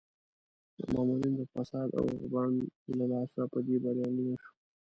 د مامورینو د فساد او غبن له لاسه په دې بریالی نه شو.